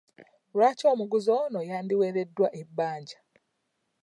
Lwaki omuguzi ono yandiweereddwa ebbanja?